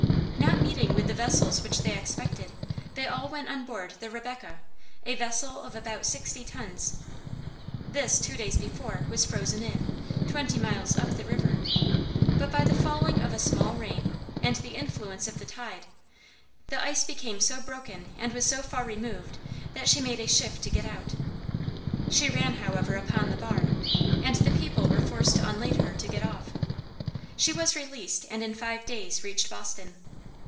Not meeting with the vessels which they expected, they all went on board the Rebecca, a vessel of about sixty tons. This, two days before, was frozen in, twenty miles up the river; but by the falling of a small rain, and the influence of the tide, the ice became so broken and was so far removed, that she made a shift to get out. She ran, however, upon the bar, and the people were forced to unlade her to get off. She was released, and in five days reached Boston.